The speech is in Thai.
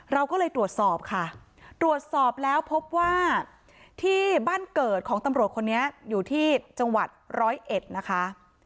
เราก็เลยตรวจสอบค่ะตรวจสอบแล้วพบว่าที่บ้านเกิดของตำรวจคนนี้อยู่ที่จังหวัดร้อยเอ็ดนะคะ